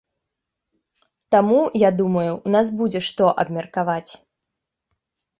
Таму, я думаю, у нас будзе што абмеркаваць.